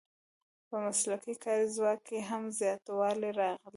په مسلکي کاري ځواک کې هم زیاتوالی راغلی.